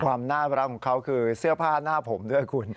ความน่ารักของเขาคือเสื้อผ้าหน้าผมด้วยคุณ